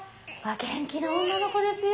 ・元気な女の子ですよ。